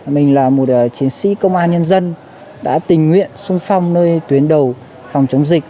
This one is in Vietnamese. mình là một chiến sĩ công an nhân dân đã tình nguyện sung phong nơi tuyến đầu phòng chống dịch